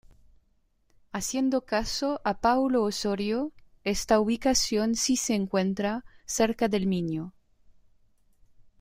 Haciendo caso a Paulo Osorio esta ubicación si se encuentra cerca del miño.